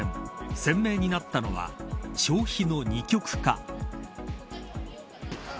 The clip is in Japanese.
鮮明になったのは消費の二極化。